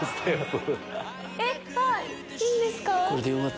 えっいいんですか？